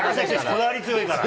こだわり強いから。